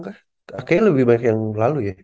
kayaknya lebih banyak yang lalu ya